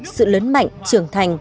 sự lớn mạnh trưởng thành